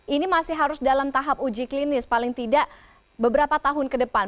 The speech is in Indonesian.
ini masih harus dalam tahap uji klinis paling tidak beberapa tahun ke depan